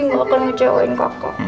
janji gak akan ngecewain kakak